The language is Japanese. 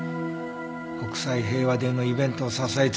国際平和デーのイベントを支え続けたのも。